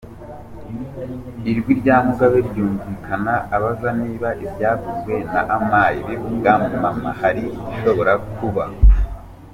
Ijwi rya Mugabe ryumvikana abaza niba ibyavuzwe na Amai bivuga Mama hari igishobora kuba.